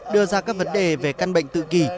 đưa ra các vấn đề về căn bệnh tự kỳ